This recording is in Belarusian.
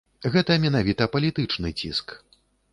Гэта менавіта палітычны ціск.